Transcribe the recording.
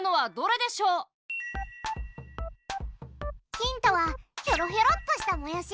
ヒントはひょろひょろっとしたもやし。